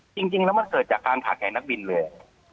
จริงแล้วมันเกิดจากการผ่าไก่นักบินเลย